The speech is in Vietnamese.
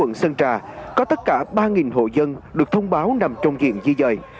trong lúc di rời di rời có tất cả ba hộ dân được thông báo nằm trong diện di rời